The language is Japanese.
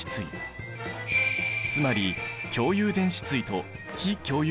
つまり共有電子対と非共有